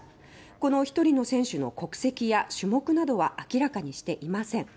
この１人の選手の国籍や種目などは明らかにしていません